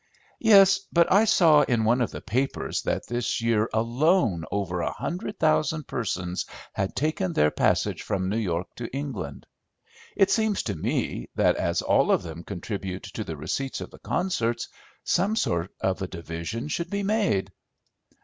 "Yes; but I saw in one of the papers that this year alone over a hundred thousand persons had taken their passage from New York to England. It seems to me, that as all of them contribute to the receipts of the concerts, some sort of a division should be made."